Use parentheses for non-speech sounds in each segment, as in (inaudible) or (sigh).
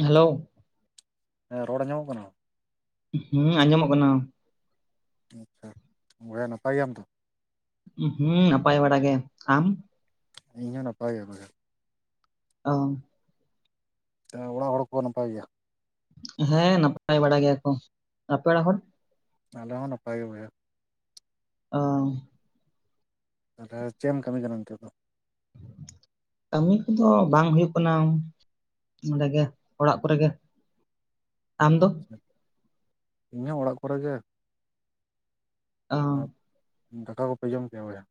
Hello. ᱦᱮᱸ ᱨᱚᱲ ᱟᱡᱚᱢᱚᱜ ᱠᱟᱱᱟ? ᱦᱩᱸ ᱟᱸᱡᱚᱢᱚᱜ ᱠᱟᱱᱟ᱾ ᱟᱪᱪᱷᱟ ᱵᱚᱭᱦᱟ ᱱᱟᱯᱟᱭ ᱜᱮᱭᱟᱢ ᱛᱚ? ᱦᱩᱸ ᱱᱟᱯᱟᱭ ᱵᱟᱲᱟ ᱜᱮ᱾ ᱟᱢ? ᱤᱧᱦᱚᱸ ᱱᱟᱯᱟᱭ ᱜᱮ ᱵᱚᱭᱦᱟ᱾ ᱚ᱾ ᱚᱲᱟᱜ ᱦᱚᱲ ᱠᱚ ᱱᱟᱯᱟᱭ ᱜᱮᱭᱟ? ᱦᱮᱸ ᱱᱟᱯᱟᱭ ᱵᱟᱲᱟ ᱜᱮᱭᱟ ᱠᱚ᱾ ᱟᱯᱮ ᱚᱲᱟᱜ ᱦᱚᱲ? ᱟᱞᱮ ᱦᱚᱸ ᱱᱟᱯᱟᱭ ᱜᱮ ᱵᱚᱭᱦᱟ᱾ ᱚ᱾ ᱛᱟᱦᱚᱞᱮ ᱪᱮᱫ ᱮᱢ ᱠᱟᱹᱢᱤ ᱠᱟᱱᱟ ᱱᱤᱛᱚᱜ ᱫᱚ? ᱠᱟᱹᱢᱤ ᱠᱚᱫᱚ ᱵᱟᱝ ᱦᱩᱭᱩᱜ ᱠᱟᱱᱟ᱾ ᱱᱚᱰᱮ ᱜᱮ ᱚᱲᱟᱜ ᱠᱚᱨᱮ ᱜᱮ᱾ ᱟᱢ ᱫᱚ ᱟᱪᱪᱷᱟ ᱤᱧ ᱦᱚᱸ ᱚᱲᱟᱜ ᱠᱚᱨᱮ ᱜᱮ᱾ ᱚ ᱟᱨ ᱫᱟᱠᱟ ᱠᱚᱯᱮ ᱡᱚᱢ ᱠᱮᱭᱟ ᱵᱚᱭᱦᱟ?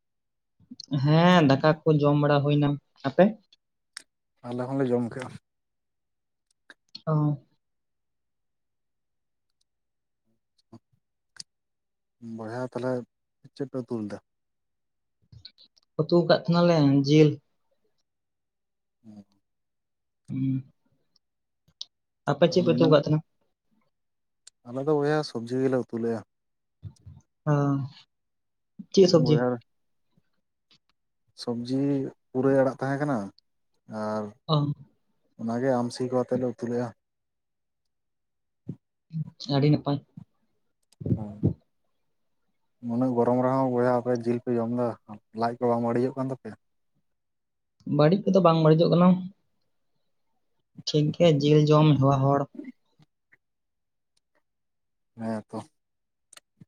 ᱦᱮᱸ ᱫᱟᱠᱟ ᱠᱚ ᱡᱚᱢ ᱵᱟᱲᱟ ᱦᱩᱭᱱᱟ᱾ ᱟᱯᱮ? ᱟᱞᱮ ᱦᱚᱸᱞᱮ ᱡᱚᱢ ᱠᱮᱜᱼᱟ᱾ (unintelligible) ᱵᱚᱭᱦᱟ ᱛᱟᱦᱞᱮ ᱪᱮᱫ ᱯᱮ ᱫᱩᱞ ᱞᱮᱫᱟ? ᱩᱛᱩ ᱟᱠᱟᱫ ᱛᱟᱦᱮᱱᱟᱞᱮ ᱡᱤᱞ᱾ ᱦᱮᱸ᱾ ᱦᱩᱸ᱾ ᱟᱯᱮ ᱪᱮᱫ ᱯᱮ ᱛᱩ ᱱᱩᱱᱟᱹᱜ ᱠᱟᱫ ᱛᱟᱸᱦᱮᱱᱟ? ᱟᱞᱮ ᱫᱚ ᱵᱚᱭᱦᱟ ᱥᱚᱵᱽᱡᱤ ᱜᱮᱞᱮ ᱩᱛᱩ ᱞᱮᱼᱟ᱾ ᱦᱮᱸ (unintelligible) ᱥᱚᱵᱽᱡᱤ ᱯᱩᱨᱟᱹᱭ ᱟᱲᱟᱜ ᱛᱟᱦᱮᱸ ᱠᱟᱱᱟ ᱟᱨ ᱚ᱾ ᱚᱱᱟᱜᱮ ᱟᱢᱥᱤ ᱠᱚ ᱛᱮ ᱞᱮ ᱩᱛᱩᱞᱮᱼᱟ᱾ ᱟᱹᱰᱤ ᱱᱟᱯᱟᱭ᱾ ᱦᱚᱸ᱾ ᱩᱱᱟᱹᱜ ᱜᱚᱨᱚᱢ ᱨᱮᱦᱚᱸ ᱵᱚᱭᱦᱟ ᱟᱯᱮ ᱡᱤᱞ ᱯᱮ ᱡᱚᱢ ᱫᱟ, ᱞᱟᱡ ᱠᱚ ᱵᱟᱝ ᱵᱟᱹᱲᱤᱡᱚᱜ ᱠᱟᱱ ᱛᱟᱯᱮᱭᱟ? ᱵᱟᱹᱲᱤᱡ ᱠᱚᱫᱚ ᱵᱟᱝ ᱵᱟᱹᱲᱤᱡᱚᱜ ᱠᱟᱱᱟ ᱴᱷᱤᱠ ᱜᱮᱭᱟ ᱡᱤᱞ ᱡᱚᱢ ᱦᱮᱣᱟ ᱦᱚᱲ ᱦᱮᱸ ᱛᱚ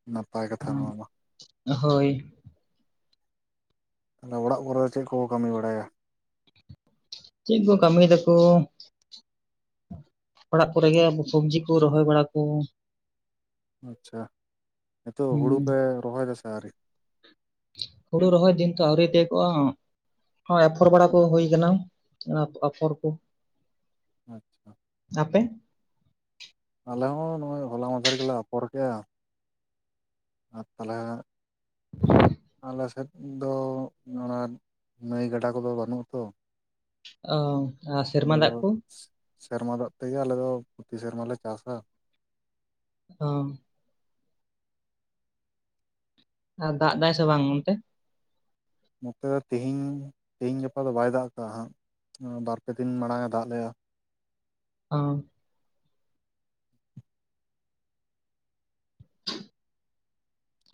ᱱᱟᱯᱟᱭ ᱠᱟᱛᱷᱟ ᱱᱚᱣᱟ ᱫᱚ ᱦᱚ ᱦᱳᱭ ᱛᱟᱦᱚᱞᱮ ᱚᱲᱟᱜ ᱠᱚᱨᱮ ᱫᱚ ᱪᱮᱫ ᱠᱚᱠᱚ ᱠᱟᱹᱢᱤ ᱵᱟᱲᱟᱭᱟ ᱪᱮᱫ ᱠᱚ ᱠᱟᱹᱢᱤᱭ ᱫᱟᱠᱚ ᱚᱲᱟᱜ ᱠᱚᱨᱮᱜᱮ ᱥᱚᱵᱽᱡᱤ ᱠᱚ ᱨᱚᱦᱚᱭ ᱵᱟᱲᱟ ᱠᱚ ᱟᱪᱪᱷᱟ ᱱᱤᱛᱳᱜ ᱦᱩᱲᱩ ᱦᱩᱸ ᱯᱮ ᱨᱚᱦᱚᱭ ᱫᱟᱥᱮ ᱟᱹᱣᱨᱤ ᱦᱩᱲᱩ ᱨᱚᱦᱚᱭ ᱫᱤᱱ ᱛᱚ ᱟᱹᱣᱨᱤ ᱛᱤᱭᱚᱜᱚᱜᱼᱟ (inaudible) ᱦᱚᱸᱜ ᱚᱭ ᱮᱯᱷᱚᱨ ᱵᱟᱲᱟ ᱠᱚ ᱦᱩᱭ ᱟᱠᱟᱱᱟ ᱟᱯ ᱟᱯᱷᱚᱨ ᱠᱚ ᱟᱪᱪᱷᱟ ᱟᱯᱮ ᱟᱞᱮ ᱦᱚᱸ ᱱᱚᱜᱼᱚᱭ ᱦᱚᱞᱟ ᱢᱟᱦᱫᱷᱮᱨ ᱜᱮᱞᱮ ᱟᱯᱷᱚᱨ ᱠᱮᱫᱼᱟ ᱟᱨ ᱛᱟᱦᱚᱞᱮ ᱟᱞᱮᱥᱮᱫ ᱫᱚ ᱚᱱᱟ ᱱᱟᱹᱭ ᱜᱟᱰᱟ ᱠᱚᱫᱚ ᱵᱟᱹᱱᱩᱜ ᱟᱛᱚ ᱚ ᱟᱞᱮ ᱫᱚ ᱥᱮᱨᱢᱟ ᱫᱟᱜ ᱛᱮᱜᱮ ᱟᱞᱮ ᱫᱚ (inaudible) ᱥᱮᱨᱢᱟ ᱞᱮ ᱪᱟᱥᱟ ᱳ ᱟᱨ ᱫᱟᱜ ᱫᱟᱭ ᱥᱮ ᱵᱟᱝ ᱚᱱᱛᱮ ᱱᱚᱛᱮ ᱫᱚ ᱛᱤᱦᱮᱧ ᱛᱤᱦᱤᱧ ᱜᱟᱯᱟ ᱫᱚ ᱵᱟᱭ ᱫᱟᱜ ᱫᱟ ᱦᱟᱸᱜ ᱵᱟᱨᱯᱮ ᱫᱤᱱ ᱢᱟᱲᱟᱝ ᱮ ᱫᱟᱜ ᱞᱮᱜᱼᱟ ᱚ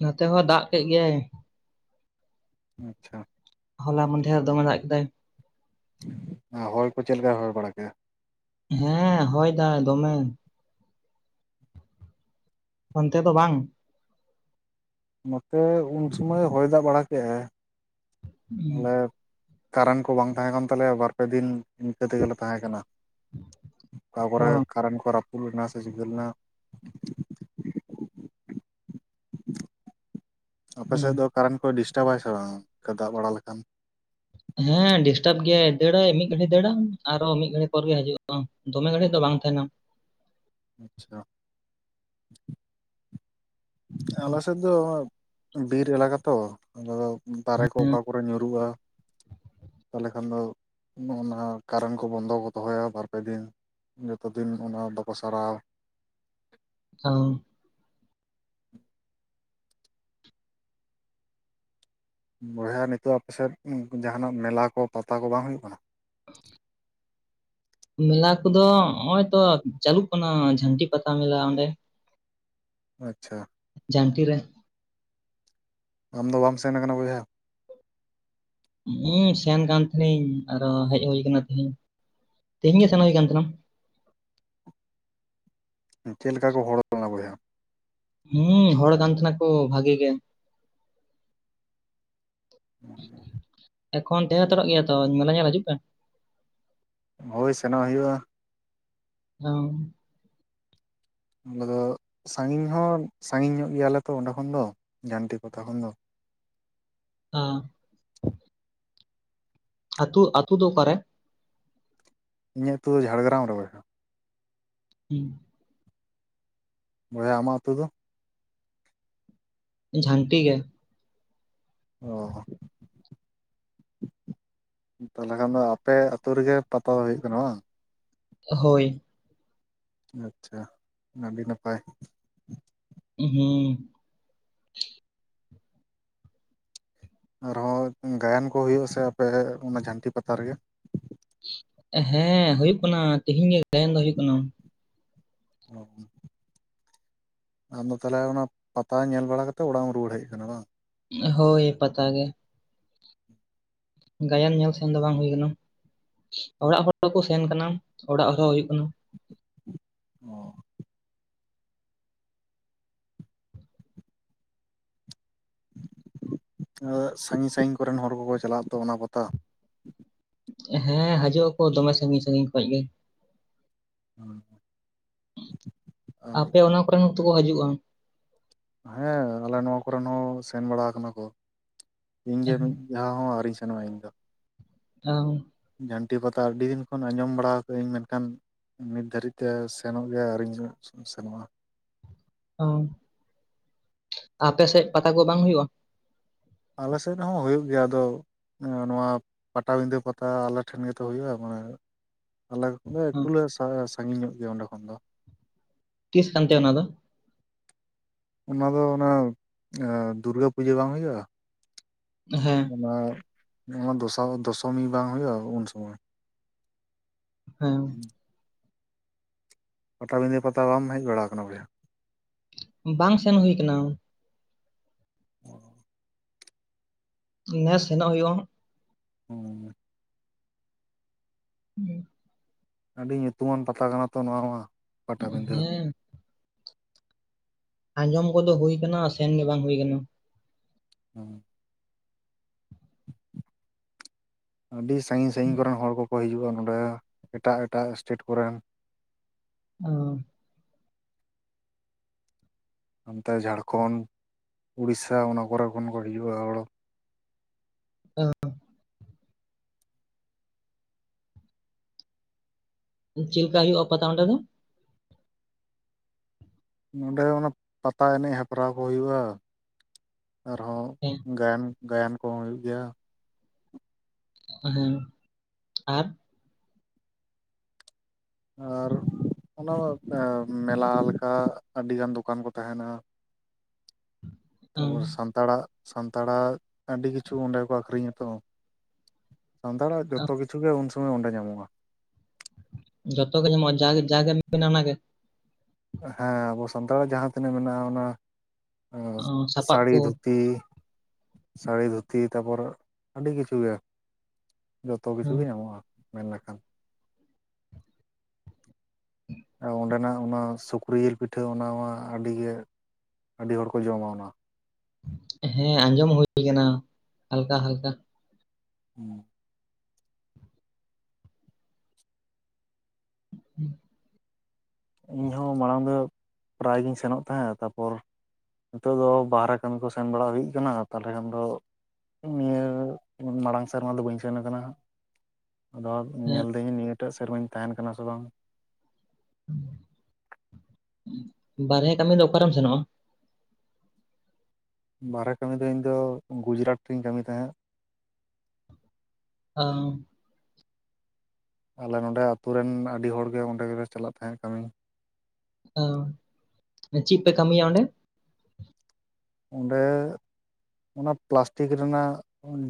ᱱᱚᱛᱮ ᱦᱚᱸ ᱫᱟᱜ ᱠᱮᱫ ᱜᱮᱭᱟᱭ ᱟᱪᱪᱷᱟ ᱦᱚᱞᱟ ᱢᱟᱱᱫᱷᱮᱨ ᱫᱚᱢᱮ ᱫᱟᱜ ᱠᱮᱫᱟᱭ ᱟᱨ ᱦᱚᱭ ᱠᱚ ᱪᱮᱫ ᱞᱮᱠᱟᱭ ᱦᱚᱭ ᱵᱟᱲᱟ ᱠᱮ ᱦᱮᱸ ᱦᱚᱭ ᱫᱟᱭ ᱫᱚᱢᱮ ᱚᱱᱛᱮ ᱫᱚ ᱵᱟᱝ ᱱᱚᱛᱮ ᱩᱱ ᱥᱚᱢᱚᱭ ᱦᱚᱭ ᱫᱟᱜ ᱵᱟᱲᱟ ᱠᱮᱜ ᱟᱭ ᱟᱞᱮ ᱠᱟᱨᱮᱱ ᱠᱚ ᱵᱟᱝ ᱛᱟᱦᱮᱸ ᱠᱟᱱ ᱛᱟᱞᱮᱭᱟ ᱵᱟᱨ ᱯᱮ ᱫᱤᱱ ᱤᱱᱠᱟᱹ ᱛᱮᱜᱮᱞᱮ ᱛᱟᱦᱮᱸ ᱠᱟᱱᱟ ᱚᱠᱟ ᱠᱚᱨᱮ ᱚ ᱠᱟᱨᱮᱱ ᱠᱚ ᱨᱟᱹᱯᱩᱫ ᱞᱮᱱᱟ ᱥᱮ ᱪᱤᱠᱟᱹ ᱞᱮᱱᱟ ᱟᱯᱮᱥᱮᱫ ᱦᱩᱸ ᱫᱚ ᱠᱟᱨᱮᱱ ᱠᱚᱭ ᱰᱤᱥᱴᱟᱵᱟᱭ ᱥᱮ ᱵᱟᱝ ᱚᱱᱠᱟ ᱫᱟᱜ ᱵᱟᱲᱟ ᱞᱮᱠᱷᱟᱱ ᱦᱮᱸ ᱰᱤᱥᱴᱟᱯ ᱜᱮᱭᱟᱭ ᱫᱟᱹᱲᱟᱭ ᱢᱤᱫ ᱜᱷᱟᱹᱲᱤᱡ ᱫᱟᱹᱲᱟ ᱟᱨᱦᱚ ᱢᱤᱫ ᱜᱷᱟᱹᱲᱤᱡ ᱯᱚᱨ ᱜᱮ ᱦᱤᱡᱩᱜᱼᱟ ᱫᱚᱢᱮ ᱜᱷᱟᱹᱲᱤᱡ ᱫᱚ ᱵᱟᱝ ᱛᱟᱦᱮᱱᱟ ᱟᱪᱪᱷᱟ ᱟᱞᱮᱥᱮᱫ ᱫᱚ ᱵᱤᱨ ᱮᱞᱟᱠᱟ ᱛᱚ ᱟᱫᱚ ᱫᱟᱨᱮ ᱠᱚ ᱚᱠᱟ ᱠᱚᱨᱮ ᱧᱩᱨᱩᱜᱼᱟ ᱛᱟᱞᱦᱮ ᱠᱷᱟᱱ ᱫᱚ ᱱᱚᱜ ᱚᱱᱟ ᱠᱟᱨᱮᱱᱴ ᱠᱚ ᱵᱚᱱᱫᱚ ᱠᱚ ᱫᱚᱦᱚᱭᱟ ᱵᱟᱨᱯᱮ ᱫᱤᱱ ᱡᱚᱛᱚ ᱫᱤᱱ ᱚᱱᱟ ᱵᱟᱠᱚ ᱥᱟᱨᱟᱣ (unintelligible) ᱵᱚᱭᱦᱟ ᱱᱤᱛᱚᱜ ᱟᱯᱮᱥᱮᱫ ᱡᱟᱦᱟᱱᱟᱜ ᱢᱮᱞᱟ ᱠᱚ ᱯᱟᱛᱟ ᱠᱚ ᱵᱟᱝ ᱦᱩᱭᱩᱜ ᱠᱟᱱᱟ (inaudible) ᱢᱮᱞᱟ ᱠᱚᱫᱚ ᱱᱚᱜ ᱚᱭ ᱛᱚ ᱪᱟᱹᱞᱩᱜ ᱠᱟᱱᱟ ᱡᱷᱟᱹᱱᱴᱤ ᱯᱟᱛᱟ ᱢᱮᱞᱟ ᱚᱸᱰᱮ ᱟᱪᱪᱷᱟ ᱡᱷᱟᱹᱱᱴᱤ ᱨᱮ ᱟᱢ ᱫᱚ ᱵᱟᱢ ᱥᱮᱱ ᱟᱠᱟᱱᱟ ᱵᱚᱭᱦᱟ ᱤᱧᱤᱧ ᱥᱮᱱ ᱟᱠᱟᱱ ᱛᱟᱦᱮᱱᱟ ᱟᱨᱚ ᱦᱮᱡ ᱦᱳᱭᱠᱟᱱᱟ ᱛᱤᱦᱤᱧ ᱛᱤᱦᱤᱧ ᱜᱮ ᱥᱮᱱ ᱦᱩᱭ ᱠᱟᱱ ᱛᱟᱦᱮᱱᱟ ᱪᱮᱫ ᱞᱮᱠᱟ ᱠᱚ ᱦᱚᱲᱚ ᱞᱮᱱᱟ ᱵᱚᱭᱦᱟ ᱦᱩᱸ ᱦᱚᱲ ᱠᱟᱱ ᱛᱟᱦᱮᱱᱟ ᱠᱚ ᱵᱷᱟᱜᱮ ᱜᱮ ᱮᱠᱷᱚᱱ ᱛᱟᱦᱮᱸ ᱦᱟᱛᱟᱲᱚᱜ ᱜᱮᱭᱟ ᱛᱚ ᱢᱮᱞᱟ ᱧᱮᱞ ᱦᱤᱡᱩᱜ ᱯᱮ ᱦᱳᱭ ᱥᱮᱱᱚᱜ ᱦᱳᱭᱳᱜᱼᱟ (unintelligible) ᱟᱞᱮ ᱫᱚ ᱥᱟᱺᱜᱤᱧ ᱦᱚᱸ ᱥᱟᱺᱜᱤᱧ ᱧᱚᱜ ᱜᱮᱭᱟᱞᱮ ᱛᱚ ᱚᱸᱰᱮ ᱠᱷᱚᱱ ᱫᱚ ᱡᱷᱟᱱᱴᱤ ᱯᱟᱛᱟ ᱠᱷᱚᱱ ᱫᱚ ᱟ ᱟᱛᱩ, ᱟᱛᱩ ᱫᱚ ᱚᱠᱟᱨᱮ? ᱤᱧᱟᱹᱜ ᱟᱛᱩ ᱫᱚ ᱡᱷᱟᱲᱜᱨᱟᱢ ᱨᱮ ᱵᱚᱭᱦᱟ ᱦᱮᱸ ᱵᱚᱭᱦᱟ ᱟᱢᱟᱜ ᱟᱛᱩ ᱫᱚ? ᱡᱷᱟᱱᱴᱤ ᱜᱮ ᱚ ᱛᱟᱞᱦᱮ ᱠᱷᱟᱱ ᱫᱚ ᱟᱯᱮ ᱟᱛᱳ ᱨᱮᱜᱮ ᱯᱟᱛᱟ ᱫᱚ ᱦᱩᱭᱩᱜ ᱠᱟᱱᱟ ᱵᱟᱝ? ᱦᱳᱭ ᱟᱪᱪᱷᱟ, ᱟᱰᱤ ᱱᱟᱯᱟᱭ ᱤᱸᱦᱤᱸ ᱟᱨᱦᱚᱸ ᱜᱟᱭᱟᱱ ᱠᱚ ᱦᱩᱭᱩᱜᱼᱟ ᱥᱮ ᱟᱯᱮ ᱚᱱᱟ ᱡᱷᱟᱱᱴᱤ ᱯᱟᱛᱟ ᱨᱮᱜᱮ? ᱦᱮᱸ ᱦᱩᱭᱩᱜ ᱠᱟᱱᱟ ᱛᱤᱦᱤᱧ ᱜᱮ ᱜᱟᱭᱟᱱ ᱫᱚ ᱦᱩᱭᱩᱜ ᱠᱟᱱᱟ ᱚ ᱟᱢ ᱫᱚ ᱛᱟᱦᱚᱞᱮ ᱚᱱᱟ ᱯᱟᱛᱟ ᱧᱮᱞ ᱵᱟᱲᱟ ᱠᱟᱛᱮ ᱚᱲᱟᱜ ᱮᱢ ᱨᱩᱣᱟᱹᱲ ᱦᱮᱡ ᱟᱠᱟᱱᱟ ᱵᱟᱝ? ᱦᱳᱭ ᱯᱟᱛᱟ ᱜᱮ ᱜᱟᱭᱟᱱ ᱧᱮᱞ ᱥᱮᱱ ᱫᱚ ᱵᱟᱝ ᱦᱩᱭ ᱟᱠᱟᱱᱟ ᱚᱲᱟᱜ ᱦᱚᱠᱚ ᱥᱮᱱ ᱟᱠᱟᱱᱟ ᱚᱲᱟᱜ ᱦᱚᱨᱚ ᱦᱩᱭᱩᱜ ᱠᱟᱱᱟ ᱚ ᱥᱟᱜᱤᱧ ᱥᱟᱜᱤᱧ ᱠᱚᱨᱮᱱ ᱦᱚᱲ ᱠᱚᱠᱚ ᱪᱟᱞᱟᱜᱼᱟ ᱛᱚ ᱚᱱᱟ ᱯᱟᱛᱟ ᱦᱮᱸ ᱦᱟᱡᱩᱜ ᱟᱠᱚ ᱫᱚᱢᱮ ᱥᱟᱺᱜᱤᱧ ᱥᱟᱺᱜᱤᱧ ᱠᱷᱚᱡ ᱜᱮ ᱦᱮᱸ ᱟᱯᱮ ᱚᱱᱟ ᱠᱚᱨᱮᱱ ᱦᱚᱸ ᱛᱚ ᱠᱚ ᱦᱟᱡᱩᱜᱼᱟ ᱦᱮᱸ ᱟᱞᱮ ᱱᱚᱣᱟ ᱠᱚᱨᱮᱱ ᱦᱚᱸ ᱠᱚ ᱥᱮᱱ ᱵᱟᱲᱟ ᱠᱟᱱᱟ ᱠᱚ ᱤᱧ ᱜᱮ ᱢᱤᱫ ᱡᱷᱟᱣ ᱦᱚᱸ ᱟᱹᱣᱨᱤᱧ ᱥᱮᱱᱚᱜᱼᱟ ᱤᱧ ᱫᱚ ᱟᱸᱩ ᱡᱷᱟᱱᱴᱤ ᱯᱟᱛᱟ ᱟᱰᱤ ᱫᱤᱱ ᱠᱷᱚᱱ ᱟᱸᱡᱚᱢ ᱵᱟᱲᱟ ᱠᱟᱜ ᱟᱹᱧ ᱢᱮᱱᱠᱷᱟᱱ ᱱᱤᱛ ᱫᱷᱟᱹᱨᱤᱡ ᱛᱮ ᱥᱮᱱᱚᱜ ᱜᱮ ᱟᱣᱨᱤᱧ ᱥᱮᱱᱚᱜᱼᱟ ᱚ ᱟᱯᱮᱥᱮᱫ ᱯᱟᱛᱟ ᱠᱚ ᱵᱟᱝ ᱦᱩᱭᱩᱜᱼᱟ? ᱟᱞᱮ ᱥᱮᱫ ᱨᱮᱦᱚᱸ ᱦᱳᱭᱳᱜ ᱜᱮᱭᱟ ᱟᱫᱚ ᱮᱸ ᱱᱚᱣᱟ ᱯᱟᱴᱟᱵᱤᱸᱫᱟᱹ ᱯᱟᱛᱟ ᱟᱞᱮᱴᱷᱮᱱ ᱜᱮᱛᱚ ᱦᱩᱭᱩᱜᱼᱟ ᱢᱟᱱᱮ ᱟᱞᱮ ᱮᱠᱴᱩᱞᱮ ᱥᱟ ᱥᱟᱜᱤᱧ ᱧᱚᱜ ᱜᱮᱭᱟ ᱚᱸᱰᱮ ᱠᱷᱚᱱ ᱫᱚ ᱛᱤᱥ ᱠᱟᱱᱛᱮ ᱚᱱᱟ ᱫᱚ? ᱚᱱᱟ ᱫᱚ ᱚᱱᱟ ᱫᱩᱨᱜᱟᱹ ᱯᱩᱡᱟᱹ ᱵᱟᱝ ᱦᱩᱭᱩᱜᱼᱟ ᱦᱮᱸ ᱚᱱᱟ ᱚᱱᱟ ᱫᱚᱥᱟᱨ ᱫᱚᱥᱚᱢᱤ ᱵᱟᱝ ᱦᱩᱭᱩᱜᱼᱟ ᱩᱱ ᱥᱚᱢᱚᱭ ᱦᱮᱸ ᱯᱟᱴᱟᱵᱤᱸᱫᱟᱹ ᱯᱟᱛᱟ ᱵᱟᱢ ᱦᱮᱡ ᱵᱟᱲᱟ ᱠᱟᱱᱟ ᱵᱚᱭᱦᱟ? ᱵᱟᱝ ᱥᱮᱱ ᱦᱩᱭ ᱠᱟᱱᱟ ᱚ ᱱᱮᱥ ᱥᱮᱱᱚᱜ ᱦᱩᱭᱩᱜᱼᱟ ᱦᱟᱸᱜ ᱦᱩᱸ (inaudible) ᱟᱹᱰᱤ ᱧᱩᱛᱩᱢᱟᱱ ᱯᱟᱛᱟ ᱠᱟᱱᱟ ᱛᱚ ᱱᱚᱣᱟ ᱢᱟ ᱯᱟᱴᱟᱵᱤᱸᱫᱟᱹ ᱦᱮᱸ ᱟᱸᱡᱚᱢ ᱠᱚᱫᱚ ᱦᱩᱭ ᱠᱟᱱᱟ ᱥᱮᱱ ᱜᱮ ᱵᱟᱝ ᱦᱩᱭ ᱠᱟᱱᱟ ᱦᱩᱸ ᱟᱹᱰᱤ ᱥᱟᱹᱜᱤᱧ ᱥᱟᱹᱜᱤᱧ ᱠᱚᱨᱮᱱ ᱦᱚᱲ ᱠᱚ ᱠᱚ ᱦᱤᱡᱩᱜᱼᱟ ᱱᱚᱸᱰᱮ ᱮᱴᱟᱜ ᱮᱴᱟᱜ ᱥᱴᱮᱴ ᱠᱚᱨᱮᱱ ᱚᱸ ᱦᱟᱱᱛᱮ ᱡᱷᱟᱲᱠᱷᱚᱸᱰ ᱩᱲᱤᱥᱥᱟ ᱚᱱᱟ ᱠᱚᱨᱮ ᱠᱷᱚᱱ ᱠᱚ ᱦᱤᱡᱩᱜᱼᱟ ᱦᱚᱲ ᱦᱮᱸ ᱦᱚᱸ (inaudible) ᱪᱮᱫ ᱞᱮᱠᱟ ᱦᱩᱭᱳᱜ ᱠᱟᱱᱟ ᱚᱸᱰᱮ ᱫᱚ? ᱱᱚᱸᱰᱮ ᱚᱱᱮ ᱯᱟᱛᱟ ᱮᱱᱮᱡ ᱦᱮᱯᱨᱟᱣ ᱠᱚ ᱦᱩᱭᱩᱜᱼᱟ ᱟᱨᱦᱚᱸ ᱦᱮᱸ ᱜᱟᱭᱟᱱ ᱜᱟᱭᱟᱱ ᱠᱚᱦᱚᱸ ᱦᱩᱭᱩᱜ ᱜᱮᱭᱟ᱾ ᱦᱮᱸ ᱟᱨ? ᱟᱨ ᱚᱱᱟ ᱢᱮᱞᱟ ᱞᱮᱠᱟ ᱟᱹᱰᱤᱜᱟᱱ ᱫᱚᱠᱟᱱ ᱠᱚ ᱛᱟᱸᱦᱮᱱᱟ᱾ ᱛᱟᱨᱯᱚᱨ ᱥᱟᱱᱛᱟᱲᱟᱜ ᱥᱟᱱᱛᱟᱲᱟᱜ ᱟᱹᱰᱤ ᱠᱤᱪᱷᱩ ᱚᱸᱰᱮ ᱠᱚ ᱟᱹᱠᱷᱨᱤᱧᱟ ᱛᱚ ᱥᱟᱱᱛᱟᱲᱟᱜ ᱡᱷᱚᱛᱚ ᱠᱤᱪᱷᱩ ᱜᱮ ᱩᱱ ᱥᱚᱢᱚᱭ ᱚᱸᱰᱮ ᱧᱟᱢᱚᱜᱼᱟ᱾ ᱡᱷᱚᱛᱚ ᱜᱮ ᱧᱟᱢᱚᱜ ᱟ ᱡᱟ ᱡᱟᱜᱮᱢ ᱢᱱᱟ ᱚᱱᱟ ᱜᱮ? ᱦᱮᱸ ᱟᱵᱚ ᱥᱟᱱᱛᱟᱲᱟᱜ ᱡᱟᱦᱟᱸ ᱛᱤᱱᱟᱹᱜ ᱢᱮᱱᱟᱜᱼᱟ ᱚᱱᱟ᱾ ᱟᱸ ᱥᱟᱯᱟᱵ ᱠᱚ ᱥᱟᱥᱟᱝ ᱫᱷᱩᱛᱤ ᱥᱟᱹᱲᱤ ᱫᱷᱩᱛᱤ ᱛᱟᱨᱯᱚᱨ ᱟᱹᱰᱤ ᱠᱤᱪᱷᱩ ᱜᱮ ᱡᱷᱚᱛᱚ ᱠᱤᱪᱷᱩ ᱜᱮ ᱧᱟᱢᱚᱜᱼᱟ᱾ ᱢᱮᱱ ᱞᱮᱠᱷᱟᱱ ᱚᱸᱰᱮᱱᱟᱜ ᱚᱱᱟ ᱥᱩᱠᱨᱤ ᱡᱤᱞ ᱯᱤᱴᱷᱟᱹ ᱚᱱᱟ ᱢᱟ ᱟᱹᱰᱤᱜᱮ ᱟᱹᱰᱤ ᱦᱚᱲ ᱠᱚ ᱡᱚᱢᱟ ᱚᱱᱟ᱾ ᱦᱮᱸ ᱟᱸᱡᱚᱢ ᱦᱩᱭ ᱠᱟᱱᱟ ᱦᱟᱞᱠᱟ ᱦᱟᱞᱠᱟ ᱾ ᱦᱩᱸᱻ (inaudible) (inaudible) ᱤᱧᱦᱚᱸ ᱢᱟᱲᱟᱝ ᱫᱚ ᱯᱨᱟᱭ ᱜᱤᱧ ᱥᱮᱱᱚᱜ ᱛᱟᱦᱮᱸᱫ ᱛᱟᱯᱚᱨ ᱱᱤᱛᱚᱜ ᱫᱚ ᱵᱟᱦᱮᱨᱮ ᱠᱟᱹᱢᱤ ᱠᱚ ᱥᱮᱱ ᱵᱟᱲᱟ ᱦᱩᱭᱩᱜ ᱠᱟᱱᱟ ᱛᱟᱦᱚᱞᱮ ᱠᱷᱟᱱ ᱫᱚ ᱱᱤᱭᱟᱹ ᱢᱟᱲᱟᱝ ᱥᱮᱨᱢᱟ ᱫᱚ ᱵᱟᱹᱧ ᱥᱮᱱ ᱠᱟᱱᱟ ᱦᱟᱸᱜ᱾ ᱟᱫᱚ ᱦᱮᱸ ᱧᱮᱞ ᱫᱟᱹᱧ ᱱᱤᱭᱟᱹᱴᱟᱜ ᱥᱮᱨᱢᱟᱧ ᱛᱟᱸᱦᱮᱱ ᱠᱟᱱᱟ ᱥᱮ ᱵᱟᱝ? ᱵᱟᱨᱦᱮ ᱠᱟᱹᱢᱤ ᱫᱚ ᱚᱠᱟᱨᱮᱢ ᱥᱮᱱᱚᱜᱼᱟ? ᱵᱟᱨᱦᱮ ᱠᱟᱹᱢᱤ ᱫᱚ ᱤᱧ ᱫᱚ ᱜᱩᱡᱽᱨᱟᱴ ᱨᱮᱧ ᱠᱟᱹᱢᱤ ᱛᱟᱦᱮᱸᱜ᱾ ᱟᱸᱻ ᱟᱞᱮ ᱱᱚᱰᱮ ᱟᱹᱛᱩ ᱨᱮᱱ ᱟᱹᱰᱤ ᱦᱚᱲ ᱜᱮ ᱚᱸᱰᱮ ᱜᱮᱞᱮ ᱪᱟᱞᱟᱜ ᱛᱟᱦᱮᱸᱜ ᱠᱟᱹᱢᱤ᱾ ᱚ ᱪᱤᱜ ᱯᱮ ᱠᱟᱹᱢᱤᱭᱟ ᱚᱱᱰᱮ? ᱚᱱᱰᱮ ᱚᱱᱟ ᱯᱞᱟᱥᱴᱤᱠ ᱨᱮᱱᱟᱜ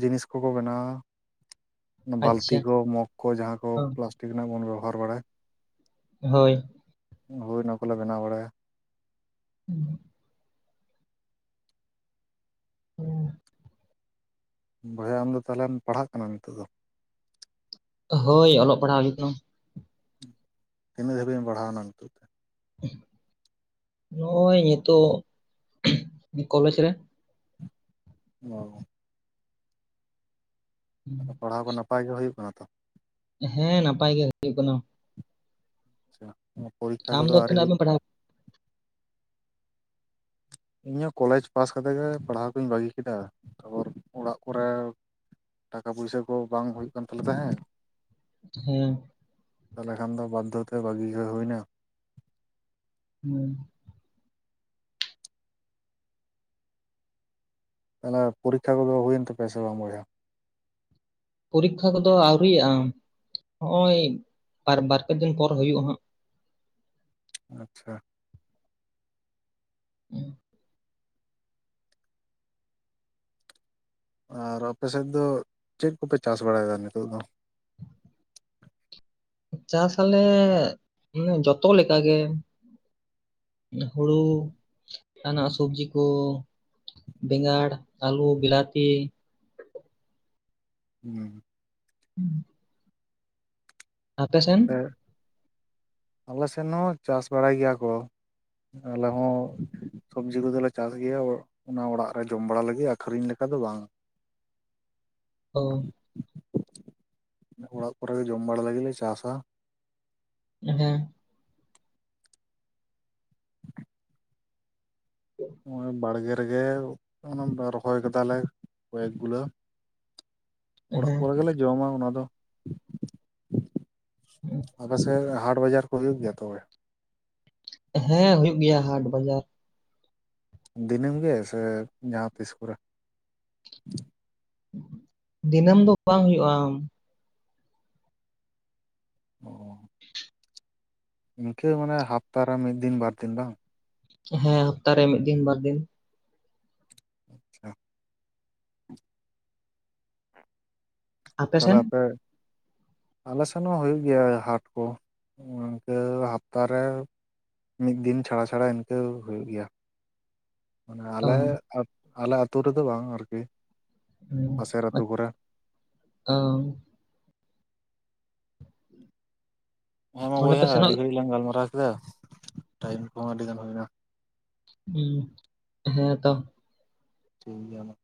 ᱡᱤᱱᱤᱥ ᱠᱚ ᱠᱚ ᱵᱮᱱᱟᱣᱟ᱾ ᱵᱟᱹᱞᱛᱤ ᱟᱪᱪᱷᱟ ᱠᱚ ᱢᱚᱜᱽ ᱠᱚ ᱡᱟᱦᱟᱸ ᱠᱚ ᱚ, ᱯᱞᱟᱥᱴᱤᱠ ᱨᱮᱱᱟᱜ ᱵᱚᱱ ᱵᱮᱵᱚᱦᱟᱨ ᱵᱟᱲᱟᱭ᱾ ᱦᱳᱭ᱾ ᱦᱳᱭ ᱚᱱᱟ ᱠᱚᱞᱮ ᱵᱮᱱᱟᱣ ᱵᱟᱲᱟᱭᱟ᱾ (inaudible) ᱵᱚᱭᱦᱟ ᱟᱢᱫᱚ ᱛᱟᱦᱚᱞᱮᱢ ᱯᱟᱲᱦᱟᱜ ᱠᱟᱱᱟ ᱱᱤᱛᱚᱜ ᱫᱚ? ᱦᱳᱭ ᱚᱞᱚᱜ ᱯᱟᱲᱦᱟᱣ ᱦᱩᱭᱩᱜ ᱠᱟᱱᱟ᱾ ᱛᱤᱱᱟᱹᱜ ᱫᱷᱟᱹᱵᱤᱡ ᱵᱮᱱ ᱯᱟᱲᱦᱟᱣᱱᱟ ᱱᱤᱛᱚᱜ ᱛᱮ? ᱱᱚᱜᱼᱚᱭ ᱱᱤᱛᱳᱜ ᱠᱚᱞᱮᱡᱽ ᱨᱮ᱾ ᱚᱸ ᱯᱟᱲᱦᱟᱣ ᱠᱚ ᱱᱟᱯᱟᱭ ᱜᱮ ᱦᱩᱭᱩᱜ ᱠᱟᱱᱟ ᱛᱚ᱾ ᱦᱮᱸ ᱱᱟᱯᱟᱭ ᱜᱮ ᱦᱩᱭᱩᱜ ᱠᱟᱱᱟ᱾ ᱟᱪᱪᱷᱟ ᱯᱚᱨᱤᱠᱠᱷᱟ ᱟᱢ ᱠᱚᱫᱚ ᱫᱚ ᱟᱣᱨᱤ ᱦᱩᱭᱩ ᱛᱤᱱᱟᱹᱜ ᱮᱢ ᱛᱮ? ᱯᱟᱲᱦᱟᱣ ᱤᱧᱦᱚᱸ ᱠᱚᱞᱮᱡᱽ ᱯᱟᱥ ᱠᱟᱛᱮᱜ ᱜᱮ ᱯᱟᱲᱦᱟᱣ ᱠᱚᱧ ᱵᱟᱹᱜᱤ ᱠᱮᱫᱟ ᱛᱟᱯᱚᱨ ᱚᱲᱟᱜ ᱠᱚᱨᱮ ᱴᱟᱠᱟ ᱯᱚᱭᱥᱟᱹ ᱠᱚ ᱵᱟᱝ ᱦᱩᱭᱩᱜ ᱠᱟᱱ ᱛᱟᱞᱮᱭᱟ ᱦᱮᱸᱫ᱾ ᱦᱮᱸᱻ ᱛᱟᱦᱚᱞᱮ ᱠᱷᱟᱱ ᱫᱚ ᱵᱟᱫᱫᱷᱚᱛᱮ ᱵᱟᱹᱜᱤ ᱜᱮ ᱦᱩᱭᱱᱟ᱾ ᱦᱩᱸᱻ ᱛᱟᱦᱚᱞᱮ ᱯᱚᱨᱤᱠᱠᱷᱟ ᱠᱚᱫᱚ ᱦᱩᱭᱮᱱ ᱛᱟᱯᱮᱭᱟ ᱥᱮ ᱵᱟᱝ ᱵᱚᱭᱦᱟ? ᱯᱚᱨᱤᱠᱷᱟ ᱠᱚᱫᱚ ᱟᱹᱣᱨᱤᱭᱟᱜᱼᱟ ᱦᱚᱜ ᱚᱭ ᱵᱟᱨ ᱯᱮ ᱫᱤᱱ ᱯᱚᱨ ᱦᱩᱭᱩᱜ ᱟ ᱦᱟᱜ᱾ ᱟᱪᱪᱷᱟ᱾ ᱦᱩᱸ ᱟᱨ ᱟᱯᱮ ᱥᱮᱫ ᱫᱚ ᱪᱮᱫ ᱠᱚᱯᱮ ᱪᱟᱥ ᱵᱟᱲᱟᱭᱮᱫᱟ ᱱᱤᱛᱚᱜ ᱫᱚ? ᱪᱟᱥ ᱟᱞᱮ ᱡᱚᱛᱚ ᱞᱮᱠᱟ ᱜᱮ ᱦᱩᱲᱩ ᱡᱟᱦᱟᱱᱟᱜ ᱥᱚᱵᱡᱤ ᱠᱚ ᱵᱮᱸᱜᱟᱲ ᱟᱞᱩ ᱵᱮᱞᱟᱛᱤ ᱦᱮᱸ ᱦᱩᱸ ᱥᱮᱱ ᱟᱯᱮ ᱟᱞᱮ ᱥᱮᱱ ᱦᱚᱸ ᱪᱟᱥ ᱵᱟᱲᱟᱭ ᱜᱮᱭᱟ ᱠᱚ ᱟᱞᱮ ᱦᱚᱸ ᱥᱚᱵᱡᱤ ᱠᱚᱫᱚᱞᱮ ᱪᱟᱥ ᱜᱮᱭᱟ ᱚᱱᱟ ᱚᱲᱟᱜ ᱨᱮ ᱡᱚᱢ ᱵᱟᱲᱟ ᱞᱟᱹᱜᱤᱫ ᱟᱠᱷᱨᱤᱧ ᱞᱮᱠᱟ ᱫᱚ ᱵᱟᱝ ᱚ ᱚᱲᱟᱜ ᱠᱚᱨᱮ ᱜᱮ ᱡᱚᱢ ᱵᱟᱲᱟ ᱞᱟᱹᱜᱤᱫᱞᱮ ᱪᱟᱥᱟ (inaudible) (inaudible) ᱱᱚᱜᱚᱭ ᱵᱟᱲᱜᱮ ᱨᱮᱜᱮ ᱨᱚᱦᱚᱭ ᱠᱮᱫᱫᱟᱞᱮ ᱠᱚᱭᱮᱠ ᱜᱩᱞᱟᱹ ᱚᱲᱟᱜ ᱦᱮᱸ ᱠᱚᱨᱮ ᱜᱮᱞᱮ ᱡᱚᱢᱟ ᱚᱱᱟ ᱫᱚ ᱟᱯᱮᱥᱮᱫ ᱦᱟᱴ ᱵᱟᱡᱟᱨ ᱠᱚ ᱦᱩᱭᱩᱜ ᱜᱮᱭᱟ ᱛᱚᱵᱮ ᱦᱮᱸ ᱦᱩᱭᱩᱜ ᱜᱮᱭᱟ ᱦᱟᱴ ᱵᱟᱡᱟᱨ ᱫᱤᱱᱟᱹᱢ ᱜᱮ ᱥᱮ ᱡᱟᱦᱟᱸ ᱛᱤᱥ ᱠᱚᱨᱮ ᱫᱤᱱᱟᱹᱢ ᱫᱚ ᱵᱟᱝ ᱦᱩᱭᱩᱜᱼᱟ ᱚ (inaudible) ᱤᱱᱠᱟᱹ ᱢᱟᱱᱮ ᱦᱟᱯᱛᱟᱟᱨᱮ ᱢᱤᱫ ᱫᱤᱱ ᱵᱟᱨ ᱫᱤᱱ ᱵᱟᱝ ᱦᱮᱸ ᱦᱟᱯᱛᱟᱟᱨᱮ ᱢᱤᱫ ᱫᱤᱱ ᱵᱟᱨᱫᱤᱱ ᱟᱪᱪᱷᱟ ᱛᱟᱦᱞᱮ ᱟᱯᱮ ᱟᱞᱮ ᱥᱮᱱ ᱦᱚᱸ ᱦᱩᱭᱩᱜ ᱜᱮᱭᱟ ᱦᱟᱴ ᱠᱚ ᱤᱱᱠᱟᱹ ᱦᱟᱯᱛᱟᱟᱨᱮ ᱢᱤᱫ ᱫᱤᱱ ᱪᱷᱟᱲᱟ ᱪᱷᱟᱲᱟ ᱤᱱᱠᱟᱹ ᱦᱩᱭᱩᱜ ᱜᱮᱭᱟ ᱢᱟᱱᱮ ᱚ ᱟᱞᱮ ᱟᱞᱮ ᱟᱹᱛᱩ ᱨᱮᱫᱚ ᱵᱟᱝ ᱟᱨᱠᱤ ᱯᱟᱥᱮᱨ ᱟᱹᱛᱩ ᱠᱚᱨᱮ ᱦᱮᱸ ᱚ ᱦᱮᱸ ᱢᱟ ᱚᱸᱰᱮ ᱵᱚᱭᱦᱟ ᱯᱮ ᱟᱹᱰᱤ ᱥᱮᱱᱚᱜ ᱜᱷᱟᱹᱲᱤᱡ ᱞᱟᱝ ᱜᱟᱞᱢᱟᱨᱟᱣ ᱠᱮᱫᱟ ᱴᱟᱭᱤᱢ ᱠᱚᱦᱚᱸ ᱟᱹᱰᱤ ᱜᱟᱱ ᱦᱩᱭᱱᱟ ᱦᱮᱸ ᱛᱚ ᱴᱷᱤᱠ ᱜᱮᱭᱟ ᱢᱟ